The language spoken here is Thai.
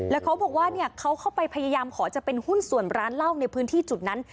แล้วเขาบอกว่าเขาเข้าไปพยายามขอจะเป็นหุ้นส่วนร้านเหล้าในพื้นที่จุดนั้น